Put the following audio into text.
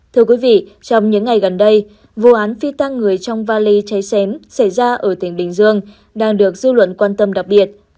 thưa quý vị trong những ngày gần đây vụ án phi tăng người trong vali cháy xén xảy ra ở tỉnh bình dương đang được dư luận quan tâm đặc biệt